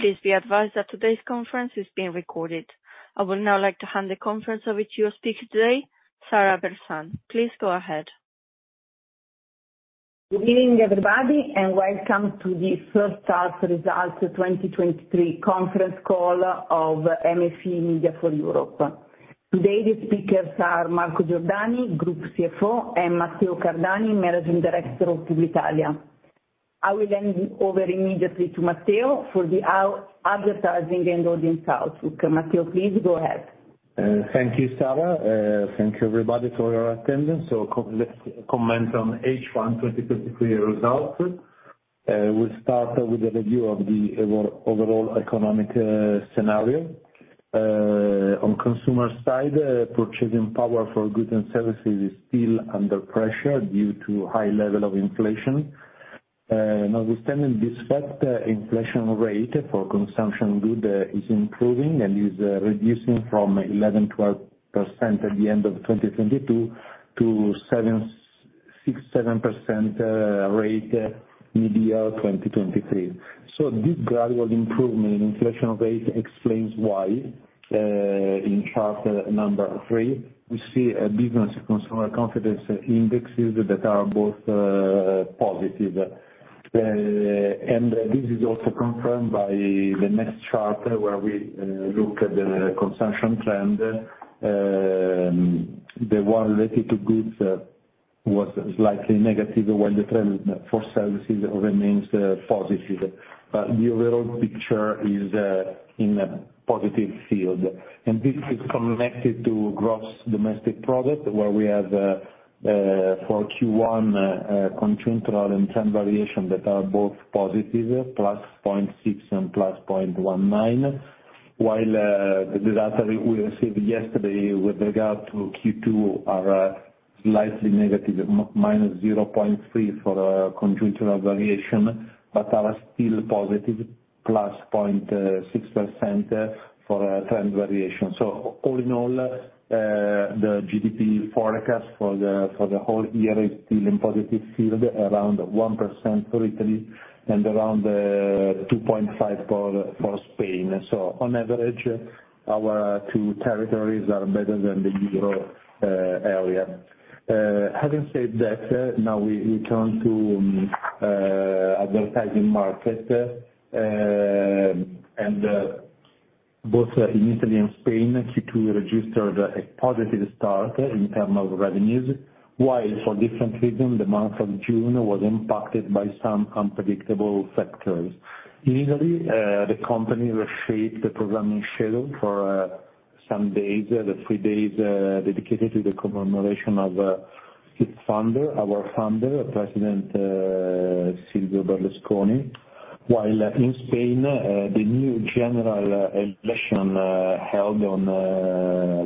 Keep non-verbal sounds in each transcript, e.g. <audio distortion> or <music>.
Please be advised that today's conference is being recorded. I would now like to hand the conference over to your speaker today, Sarah Bressan. Please go ahead. Good evening, everybody, welcome to the first half results of 2023 conference call of MFE-MediaForEurope. Today, the speakers are Marco Giordani, Group CFO, and Matteo Cardani, Managing Director of Pubblitalia. I will hand over immediately to Matteo for the our advertising and audience house. Okay, Matteo, please go ahead. Thank you, Sarah. Thank you, everybody, for your attendance. Co- let's comment on H1 2023 results. We start with a review of the overall economic scenario. On consumer side, purchasing power for goods and services is still under pressure due to high level of inflation. Notwithstanding despite the inflation rate for consumption good is improving and is reducing from 11%-12% at the end of 2022 to 6%-7% rate mid-year 2023. This gradual improvement in inflation rate explains why in chart number three, we see a business consumer confidence indexes that are both positive. And this is also confirmed by the next chart, where we look at the consumption trend. The one related to goods was slightly negative, while the trend for services remains positive. The overall picture is in a positive field, and this is connected to gross domestic product, where we have for Q1, conjunctural and trend variation that are both positive, +0.6 and +0.19. While the data we received yesterday with regard to Q2 are slightly negative, -0.3 for conjunctural variation, but are still positive, +0.6% for trend variation. All in all, the GDP forecast for the whole year is still in positive field, around 1% for Italy and around 2.5% for Spain. On average, our two territories are better than the euro area. Having said that, now we, we turn to advertising market, both in Italy and Spain, Q2 registered a positive start in term of revenues. While for different reasons, the month of June was impacted by some unpredictable factors. In Italy, the company reshaped the programming schedule for some days, the three days, dedicated to the commemoration of its founder, our founder, President, Silvio Berlusconi. While in Spain, the new general election held on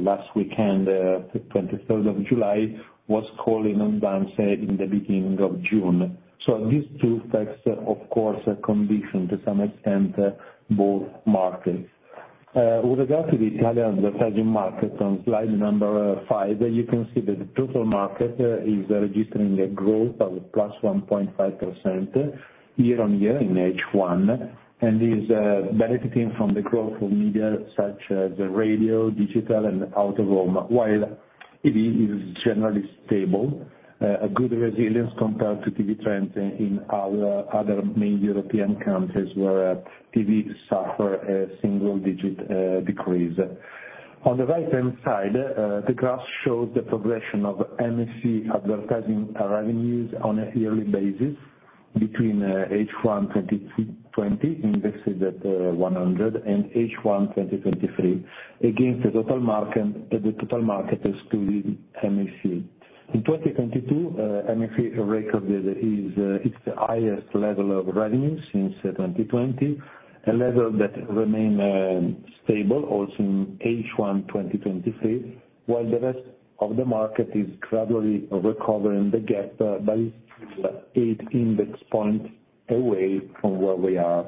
last weekend, the 23rd of July, was calling on advance in the beginning of June. These two facts, of course, are conditioned to some extent, both markets. With regard to the Italian advertising market, on slide number five, you can see that the total market is registering a growth of +1.5% year-on-year in H1, and is benefiting from the growth of media such as the radio, digital and out of home. While TV is generally stable, a good resilience compared to TV trends in other, other main European countries, where TV suffer a single digit decrease. On the right-hand side, the graph shows the progression of MFE Advertising revenues on a yearly basis between H1 2020, indexed at 100 and H1 2023. Against the total market, the total market is to MFE. In 2022, MFE recorded is its highest level of revenue since 2020, a level that remain stable also in H1 2023, while the rest of the market is gradually recovering the gap by 8 index points away from where we are.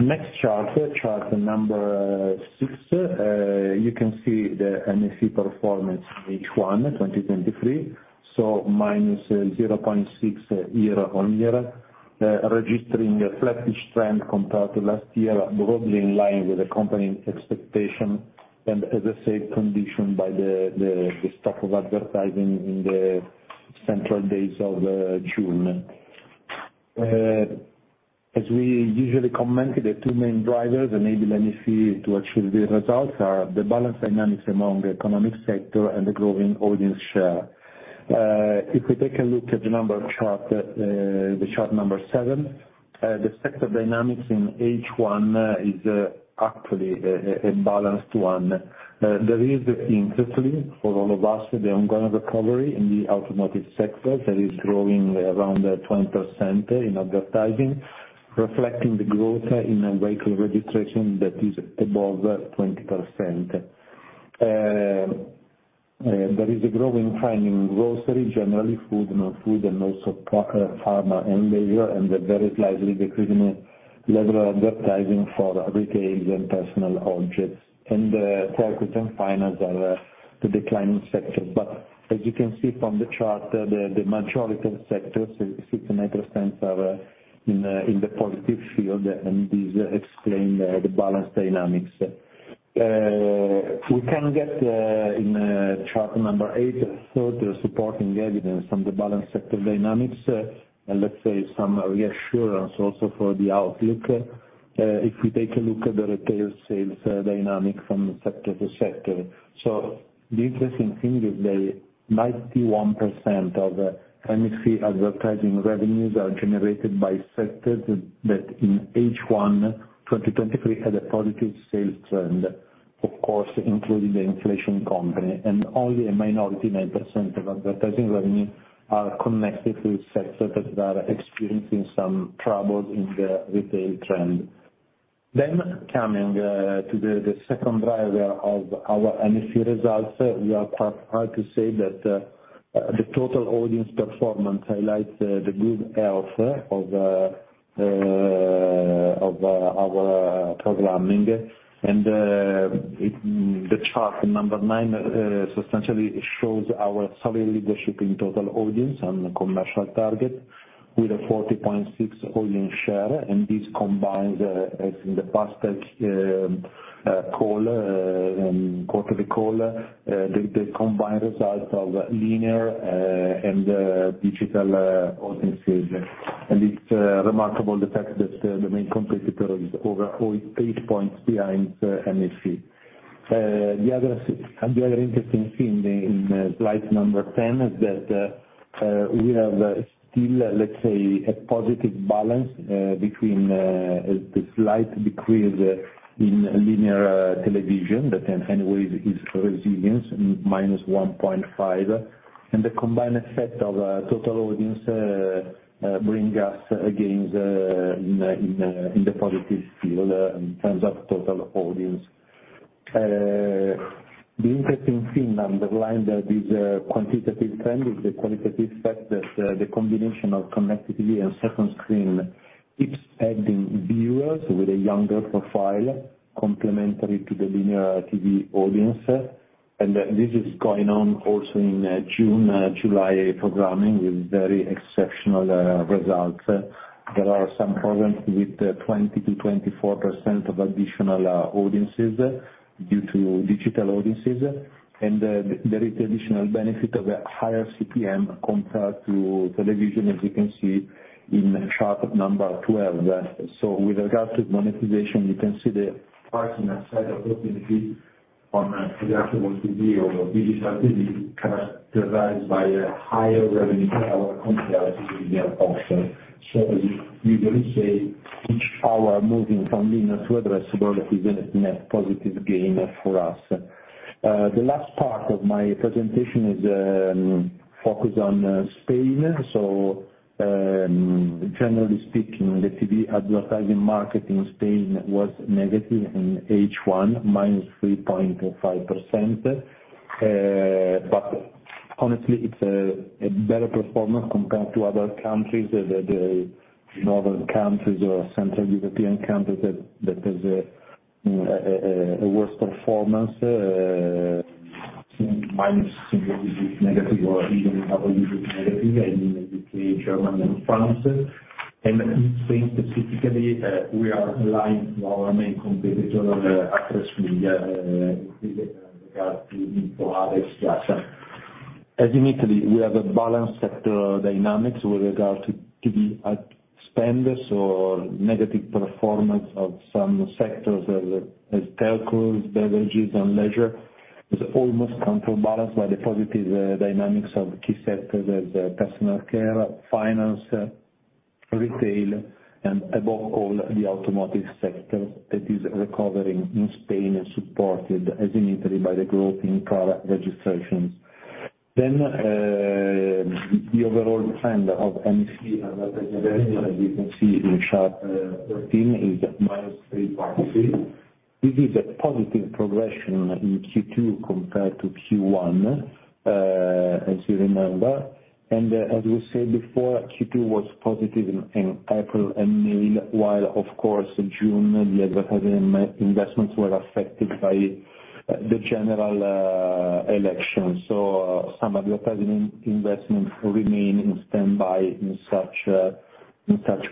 Next chart, chart number six, you can see the MFE performance in H1 2023, so -0.6 year-on-year, registering a flattish trend compared to last year, broadly in line with the company's expectation and as I said, conditioned by the stop of advertising in the central days of June. As we usually comment, the two main drivers, and maybe let me see to achieve the results, are the balance dynamics among the economic sector and the growing audience share. If we take a look at the number chart, the chart number seven, the sector dynamics in H1, is actually a balanced one. There is interestingly for all of us, the ongoing recovery in the automotive sector that is growing around 20% in advertising, reflecting the growth in vehicle registration that is above 20%. There is a growing finding in grocery, generally food, and also pharma and leisure, and a very slightly decreasing level of advertising for retail and personal objects. Telecommunications are the declining sector. As you can see from the chart, the majority of sectors, 69% are in the positive field, and this explains the balance dynamics. We can get in chart eight, so the supporting evidence from the balance sector dynamics, and let's say some reassurance also for the outlook. If we take a look at the retail sales dynamic from sector to sector. The interesting thing is the 91% of MFE Advertising revenues are generated by sectors that in H1 2023 had a positive sales trend, of course, including the inflation company and only a minority, 9% of advertising revenue are connected to sectors that are experiencing some trouble in the retail trend. Coming to the second driver of our MFE results, we are quite proud to say that the total audience performance highlights the good health of our programming. substantially shows our solid leadership in total audience and commercial target with a 40.6 audience share, and this combines, as in the past, quarterly call, the combined results of linear and digital audience share. It's remarkable that the main competitor is over 8 points behind MFE. The other interesting thing in slide number 10 is that we have still, let's say, a positive balance between the slight decrease in linear television, but then anyways is resilience -1.5. The combined effect of total audience bring us in the positive field in terms of total audience The interesting thing underlying that is quantitative trend is the qualitative fact that the combination of connected TV and second screen keeps adding viewers with a younger profile, complementary to the linear TV audience. This is going on also in June, July programming with very exceptional results. There are some programs with 20%-24% of additional audiences due to digital audiences. There is additional benefit of a higher CPM compared to television, as you can see in chart number 12. With regard to monetization, you can see the pricing outside of inaudible, on addressable TV or digital TV, kind of derived by a higher revenue power compared to the other option. As we usually say, each hour moving from linear to addressable is a net positive gain for us. The last part of my presentation is focused on Spain. Generally speaking, the TV advertising market in Spain was negative in H1, -3.5%. But honestly, it's a better performance compared to other countries, the northern countries or central European countries that is a worse performance, minus single digit negative or even double digit negative, in the UK, Germany, and France. In Spain, specifically, we are aligned to our main competitor, Atresmedia, in regard to. As in Italy, we have a balanced sector dynamics with regard to, to the spenders or negative performance of some sectors, as telcos, beverages, and leisure, is almost counterbalanced by the positive dynamics of key sectors as personal care, finance, retail, and above all, the automotive sector that is recovering in Spain and supported, as in Italy, by the growth in car registrations. The overall trend of MF, as you can see in chart 13, is -3.6. This is a positive progression in Q2 compared to Q1, as you remember, and as we said before, Q2 was positive in April and May, while of course, in June, the advertising investments were affected by the general election. Some advertising investments remain in standby in such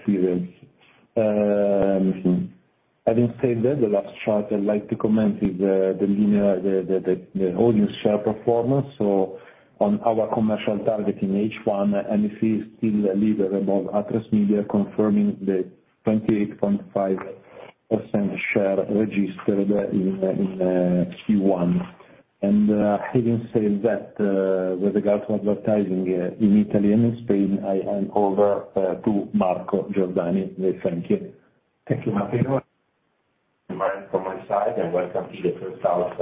periods. Having said that, the last chart I'd like to comment is the linear, the, the, the audience share performance. On our commercial target in H1, MFE is still a leader above Atresmedia, confirming the 28.5% share registered in Q1. Having said that, with regards to advertising, in Italy and in Spain, I hand over to Marco Giordani. Thank you. Thank you, Matteo. From my side, welcome to the first half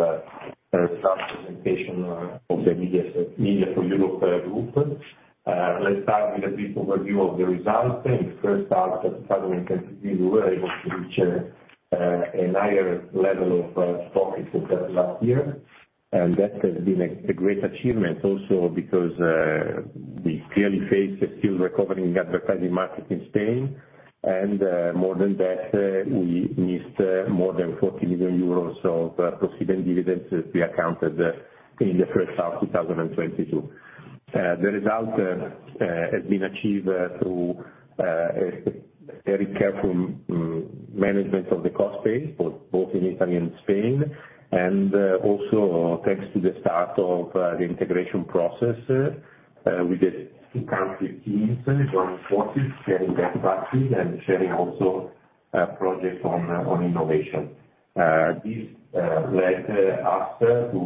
presentation of the MFE-MediaForEurope Group. Let's start with a brief overview of the results. In the first half of 2022, we were able to reach a higher level of profits than last year. That has been a great achievement also because we clearly face a still recovering advertising market in Spain. More than that, we missed more than 40 million euros of dividends to be accounted in the first half of 2022. The result has been achieved through a very careful management of the cost base, both in Italy and Spain. Also thanks to the start of the integration process with the two country teams joining forces, sharing best practice and sharing also project on innovation. This led us to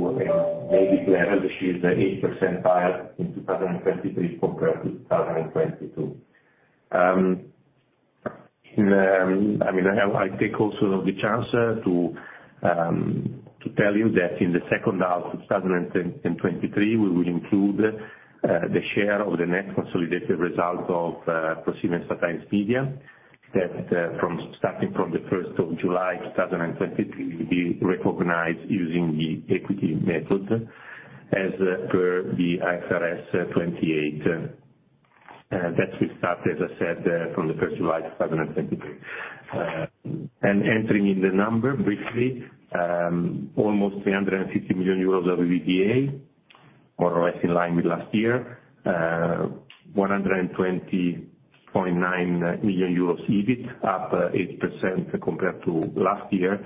maybe declare that she is 8% higher in 2023 compared to 2022. I mean, I take also the chance to tell you that in the second half of 2023, we will include the share of the net consolidated result of ProSiebenSat.1 Media, that from, starting from the 1st of July, 2020, will be recognized using the equity method as per the IFRS 28, that will start, as I said, from the 1st of July, 2023. Entering in the number briefly, almost 350 million euros of EBITDA, more or less in line with last year. 120.9 million euros EBIT, up 8% compared to last year,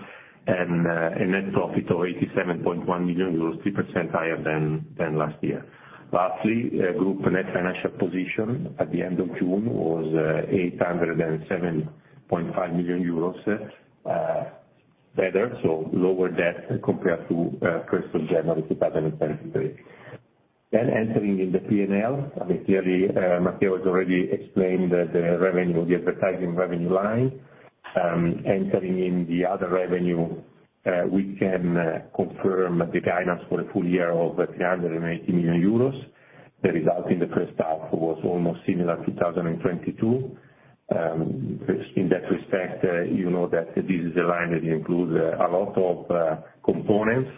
and a net profit of 87.1 million euros, 3% higher than last year. Lastly, group net financial position at the end of June was 807.5 million euros, better, so lower debt compared to January 1, 2023. Entering in the P&L, I mean, clearly, Matteo has already explained the revenue, the advertising revenue line. Entering in the other revenue, we can confirm the guidance for the full year of 380 million euros. The result in the first half was almost similar to 2022. In that respect, you know that this is a line that includes a lot of components,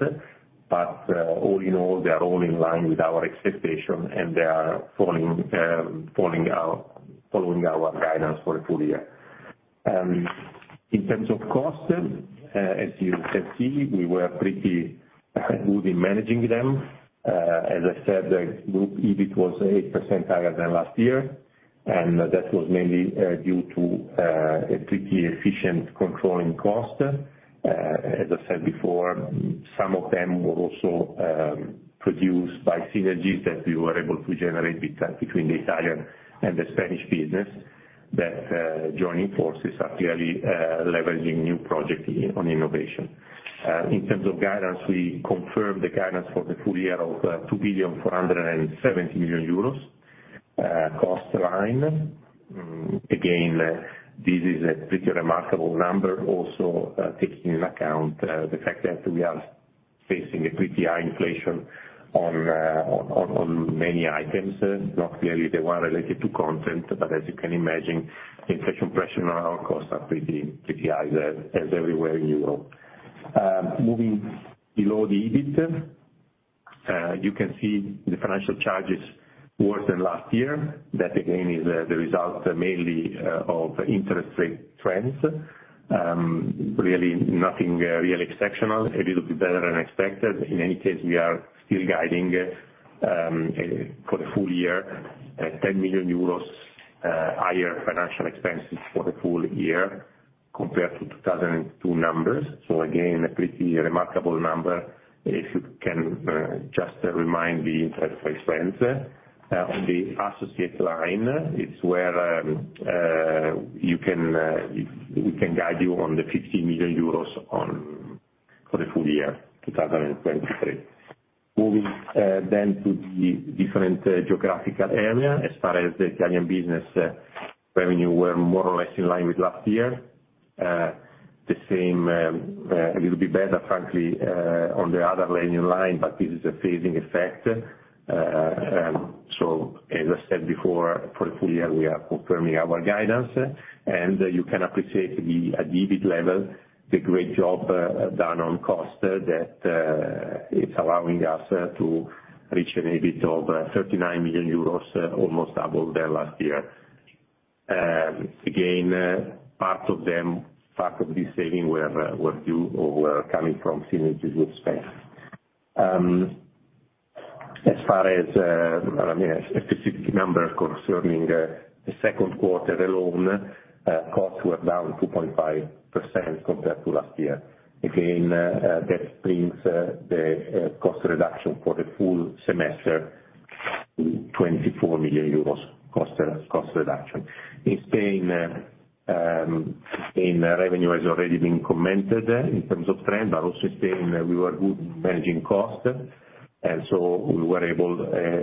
all in all, they are all in line with our expectation, they are falling, falling out, following our guidance for the full year. In terms of cost, as you can see, we were pretty good in managing them. As I said, the group EBIT was 8% higher than last year, that was mainly due to a pretty efficient controlling cost. As I said before, some of them were also produced by synergies that we were able to generate between, between the Italian and the Spanish business that, joining forces are clearly leveraging new project on innovation. In terms of guidance, we confirm the guidance for the full year of 2.47 billion cost line. Again, this is a pretty remarkable number also taking into account the fact that we are facing a pretty high inflation on many items, not really the one related to content, but as you can imagine, inflation pressure on our costs are pretty, pretty high as everywhere in Europe. Moving below the EBIT, you can see the financial charges worse than last year. That, again, is the result mainly of interest rate trends. Really nothing really exceptional, a little bit better than expected. In any case, we are still guiding for the full year, 10 million euros higher financial expenses for the full year compared to 2022 numbers. Again, a pretty remarkable number, if you can just remind the interest rate trends. On the associate line, it's where you can, we can guide you on the 50 million euros on... for the full year, 2023. Moving then to the different geographical area, as far as the Italian business, revenue were more or less in line with last year. The same, a little bit better, frankly, on the other line, in line, but this is a phasing effect. As I said before, for the full year, we are confirming our guidance. You can appreciate the, at EBIT level, the great job done on cost, that is allowing us to reach an EBIT of EUR 39 million, almost double the last year. Again, part of them, part of this saving were due or were coming from synergies with Spain. As far as, I mean, a specific number concerning the second quarter alone, costs were down 2.5% compared to last year. Again, that brings the cost reduction for the full semester to 24 million euros cost, cost reduction. In Spain, in revenue has already been commented in terms of trend, but also Spain, we were good managing costs, and so we were able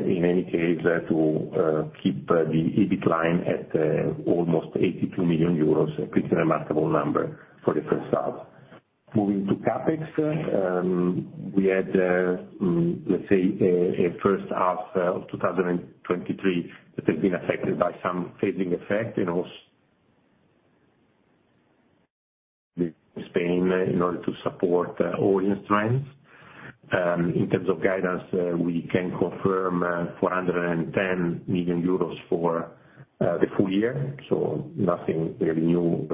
in any case to keep the EBIT line at almost 82 million euros, a pretty remarkable number for the first half. Moving to CapEx, we had, let's say, a first half of 2023, that has been affected by some phasing effect in Spain, in order to support audience trends. In terms of guidance, we can confirm 410 million euros for the full year, so nothing really new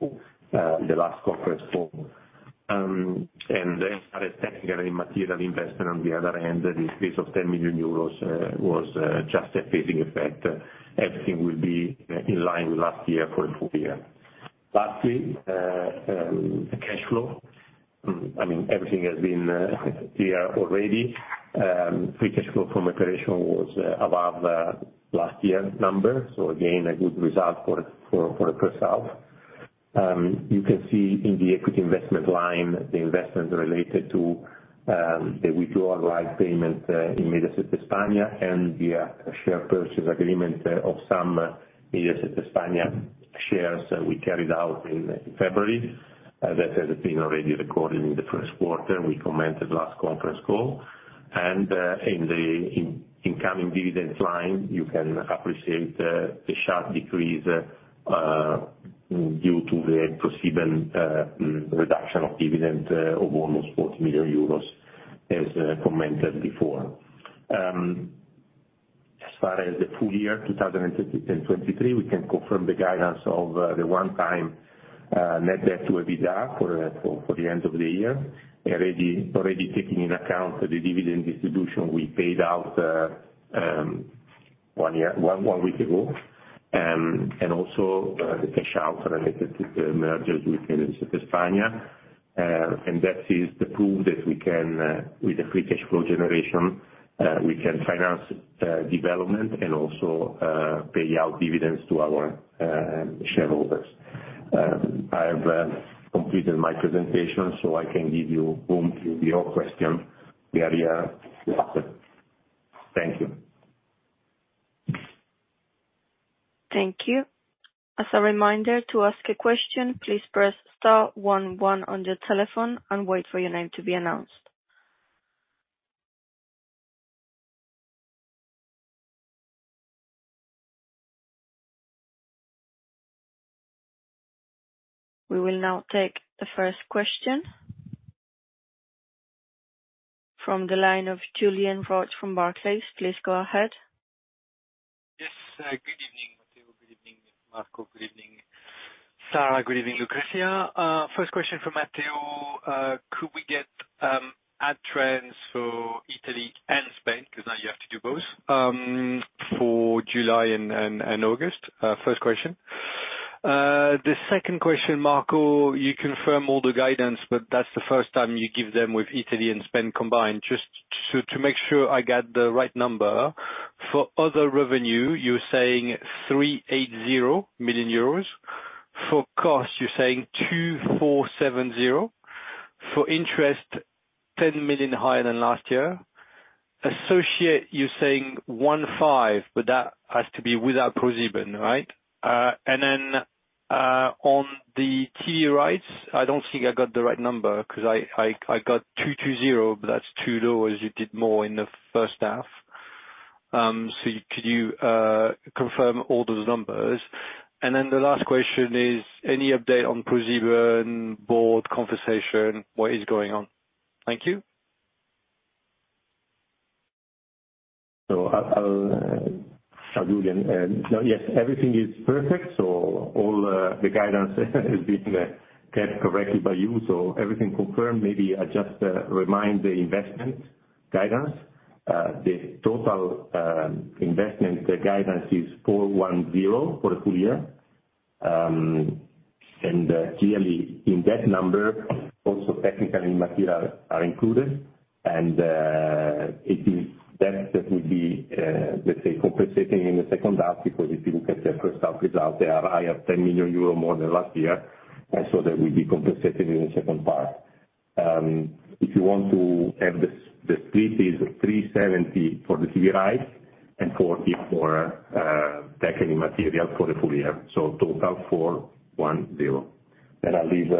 in the last conference call. Then as technically material investment on the other hand, this case of 10 million euros was just a phasing effect. Everything will be in line with last year for the full year. Lastly, I mean, everything has been here already. Free cash flow from operational was above the last year's number, again, a good result for, for, for the first half. You can see in the equity investment line, the investment related to the withdrawal right payment in Mediaset España, and the share purchase agreement of some Mediaset España shares that we carried out in February. That has been already recorded in the first quarter, we commented last conference call. In the incoming dividends line, you can appreciate the sharp decrease due to the ProSieben reduction of dividend of almost 40 million euros, as commented before. As far as the full year 2023, we can confirm the guidance of the one time net debt to EBITDA for the end of the year. Already taking in account the dividend distribution we paid out one year, one week ago. Also, the cash out related to the mergers with Mediaset España. That is the proof that we can, with the free cash flow generation, we can finance development and also pay out dividends to our shareholders. I have completed my presentation, so I can give you room to your question. We are here to answer. Thank you. Thank you. As a reminder, to ask a question, please press star one one on your telephone and wait for your name to be announced. We will now take the first question. From the line of Julien Roch from Barclays, please go ahead. Yes, good evening, Matteo, good evening, Marco, good evening, Sarah, good evening, Lucrezia. First question for Matteo. Could we get ad trends for Italy and Spain? Now you have to do both for July and August. First question. The second question, Marco, you confirm all the guidance, that's the first time you give them with Italy and Spain combined. Just to make sure I got the right number, for other revenue, you're saying 380 million euros. For cost, you're saying 2,470. For interest, 10 million higher than last year. Associate, you're saying 15, that has to be without ProSieben, right? Then, on the key rights, I don't think I got the right number, 'cause I, I, I got 220, but that's too low, as you did more in the first half. Could you, confirm all those numbers? Then the last question is, any update on ProSieben board conversation? What is going on? Thank you. I'll, I'll start with you, and no, yes, everything is perfect. All the guidance has been captured correctly by you. Everything confirmed, maybe I just remind the investment guidance. The total investment, the guidance is 410 for the full year. Clearly in that number, also technical and material are included, and that will be, let's say, compensating in the second half, because if you look at the first half result, they are higher, 10 million euro more than last year, and so that will be compensated in the second part. If you want to have the split is 370 for the TV rights and 40 for technical material for the full year, total 410. I'll leave,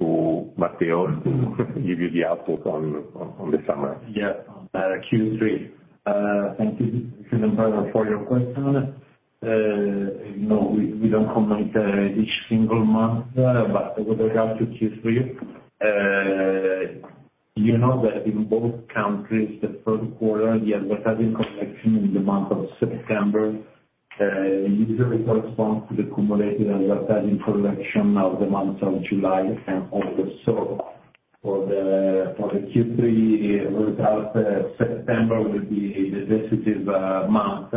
to Matteo, to give you the outlook on, on, on the summer. Yeah, Q3. Thank you, Julian, for your question. No, we, we don't comment each single month, but with regard to Q3, you know that in both countries, the first quarter, the advertising collection in the month of September, usually corresponds to the cumulative advertising collection of the months of July and August. For the, for the Q3 result, September will be the decisive month.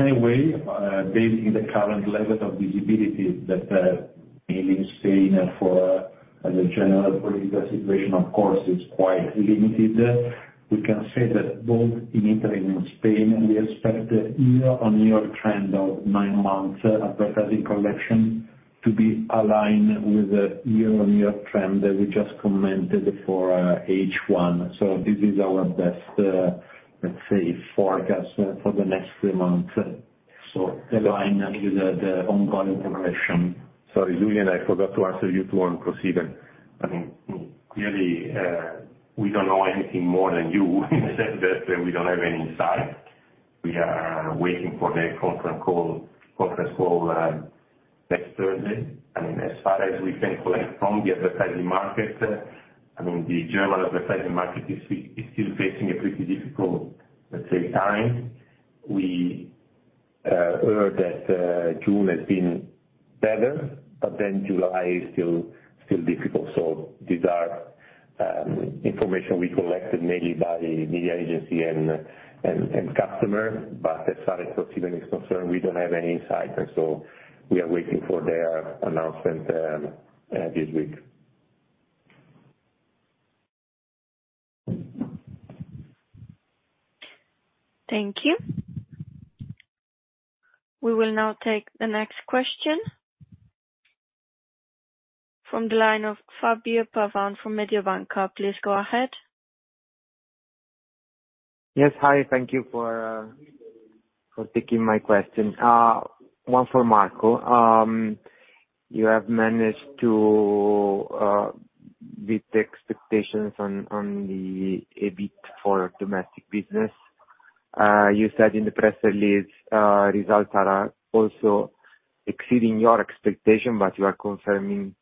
Anyway, based on the current level of visibility that in Spain for the general political situation, of course, is quite limited. We can say that both in Italy and Spain, we expect a year-on-year trend of nine months advertising collection to be aligned with the year-on-year trend that we just commented for H1. This is our best, let's say, forecast for the next three months. Align with the ongoing evolution. Sorry, Julien, I forgot to answer you too on ProSieben. I mean, clearly, we don't know anything more than you. We don't have any insight. We are waiting for the conference call, conference call, next Thursday. I mean, as far as we can collect from the advertising market, I mean, the general advertising market is still, is still facing a pretty difficult, let's say, time. We heard that June has been better, then July is still, still difficult, so this information we collected, mainly by the media agency and, and, and customer. As far as Mediaset is concerned, we don't have any insight, and so we are waiting for their announcement this week. Thank you. We will now take the next question from the line of Fabio Pavan from Mediobanca. Please go ahead. Yes, hi. Thank you for taking my question. One for Marco. You have managed to beat the expectations on the EBIT for domestic business. You said in the press release, results are also exceeding your expectation, but you are confirming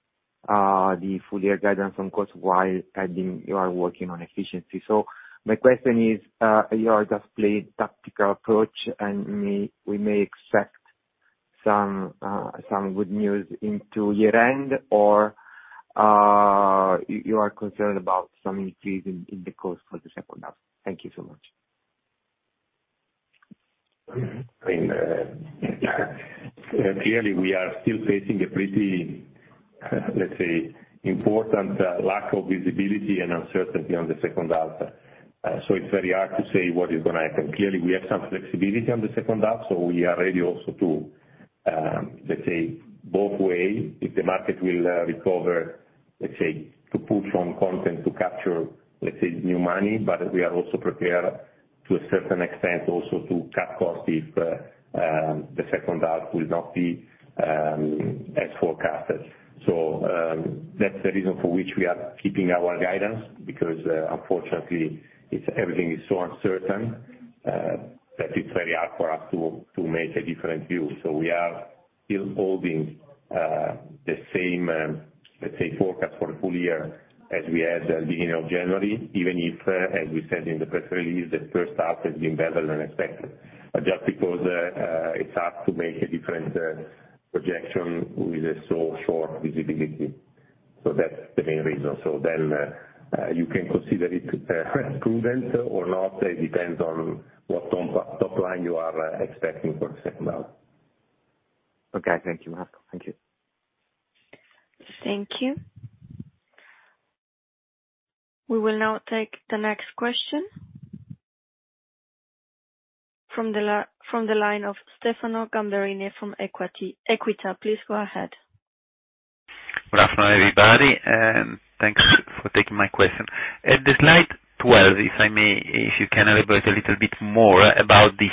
the full year guidance, of course, while adding you are working on efficiency. My question is, you are just playing tactical approach and we may expect some good news into year-end, or you are concerned about some increase in the cost for the second half? Thank you so much. I mean, clearly, we are still facing a pretty, let's say, important lack of visibility and uncertainty on the second half. It's very hard to say what is gonna happen. Clearly, we have some flexibility on the second half, so we are ready also to, let's say, both way, if the market will recover, let's say, to push on content to capture, let's say, new money, but we are also prepared, to a certain extent, also, to cut costs if the second half will not be as forecasted. That's the reason for which we are keeping our guidance, because, unfortunately, everything is so uncertain that it's very hard for us to, to make a different view. We are still holding the same, let's say, forecast for full year as we had at the beginning of January, even if, as we said in the press release, the first half has been better than expected. Just because it's hard to make a different projection with a so short visibility. That's the main reason. Then, you can consider it prudent or not, it depends on what top-top line you are expecting for second half. Okay, thank you, Marco. Thank you. Thank you. We will now take the next question from the line of Stefano Gamberini from Equita. Please go ahead. Good afternoon, everybody, and thanks for taking my question. The slide 12, if I may, if you can elaborate a little bit more about this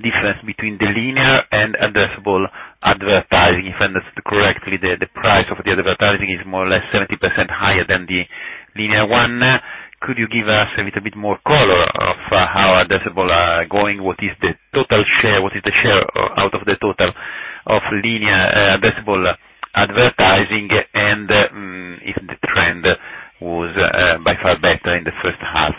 difference between the linear and addressable advertising. If I understood correctly, the price of the advertising is more or less 70% higher than the linear one. Could you give us a little bit more color of how addressable are going? What is the total share? What is the share out of the total of linear, addressable advertising? If the trend was by far better in the first half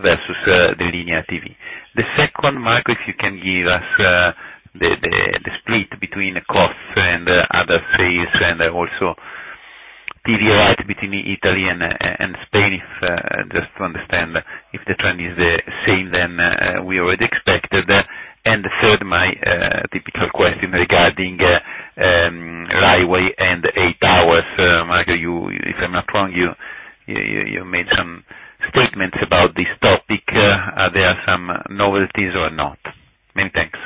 versus the linear TV? The second, Marco, if you can give us the split between the costs and other sales, and also TV right between Italy and Spain, if just to understand if the trend is the same, then we already expected. Third, my, typical question regarding El Towers. Marco, if I'm not wrong, you made some statements about this topic. Are there some novelties or not? Many thanks.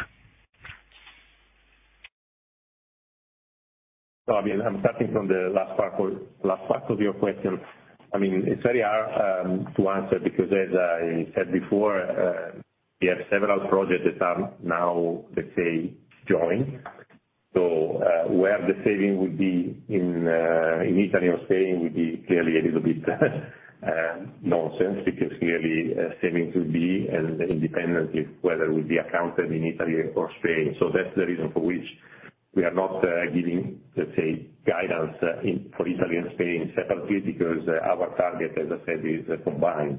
I'm starting from the last part for- last part of your question. I mean, it's very hard to answer, because as I said before, we have several projects that are now, let's say, joined. Where the saving would be in, in Italy or Spain, would be clearly a little bit nonsense, because clearly, saving will be and independently whether it will be accounted in Italy or Spain. That's the reason for which we are not giving, let's say, guidance, in, for Italy and Spain separately, because our target, as I said, is combined.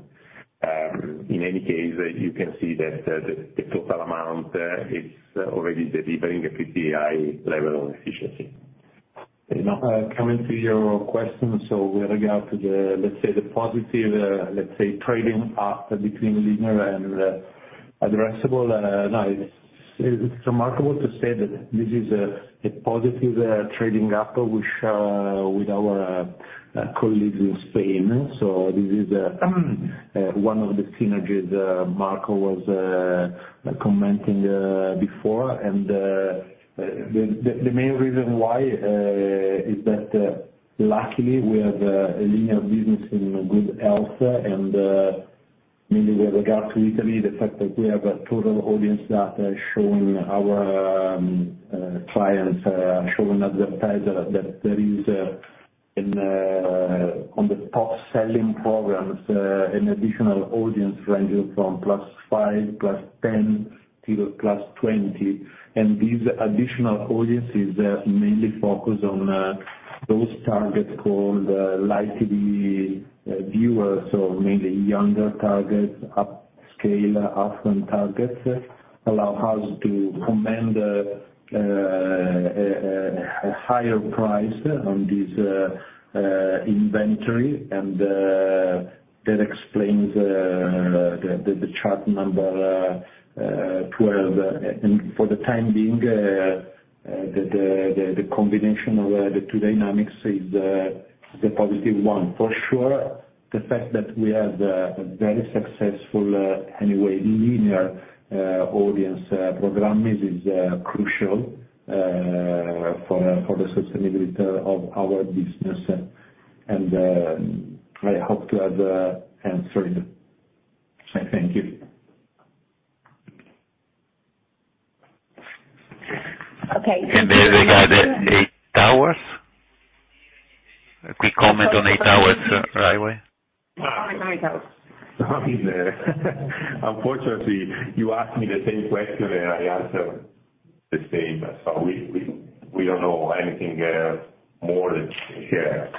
In any case, you can see that, the, the total amount, it's already delivering a pretty high level of efficiency. Coming to your question, so with regard to the positive trading up between linear and addressable, now, it's remarkable to say that this is a positive trading up with our colleagues in Spain. This is one of the synergies Marco was commenting before. The main reason why is that luckily, we have a linear business in good health, and mainly with regard to Italy, the fact that we have a total audience that is showing our clients, showing advertisers that there is an on the top-selling programs an additional audience ranging from +5, +10, to +20. These additional audiences mainly focus on those targets called light TV viewers, so mainly younger targets up-... scale upfront targets allow us to command a higher price on this inventory, and that explains the, the, the chart number 12. For the time being, the, the, the combination of the two dynamics is the positive one. For sure, the fact that we have a very successful, anyway, linear audience program is, is crucial for for the sustainability of our business. I hope to have answered. Thank you. Okay. Then we have the EI Towers? A quick comment on EI Towers, right away. Unfortunately, you asked me the same question, and I answer the same. We, we, we don't know anything more here.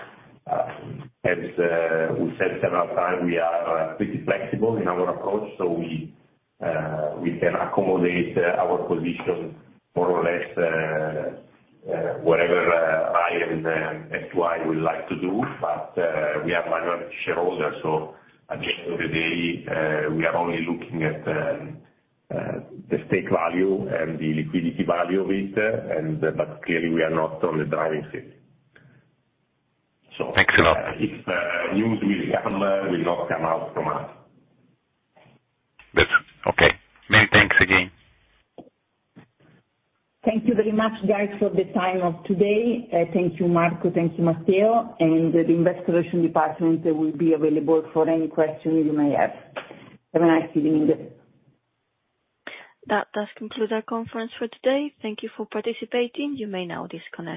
As we said several times, we are pretty flexible in our approach, so we can accommodate our position more or less, whatever <audio distortion> would like to do, but we are minority shareholders, so at the end of the day, we are only looking at the stake value and the liquidity value of it, and... clearly, we are not on the driving seat. Thanks a lot. If news will happen, will not come out from us. That's okay. Many thanks again. Thank you very much, guys, for the time of today. Thank you, Marco, thank you, Matteo, and the investor relation department will be available for any questions you may have. Have a nice evening. That does conclude our conference for today. Thank you for participating. You may now disconnect.